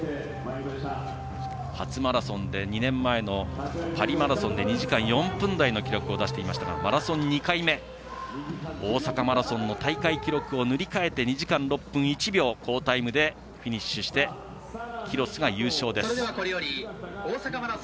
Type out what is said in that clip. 初マラソンで２年前のパリマラソンで２時間４分台の記録を出していましたがマラソン２回目、大阪マラソンの大会記録を塗り替えて２時間６分１秒、好タイムでフィニッシュしてキロスが優勝です。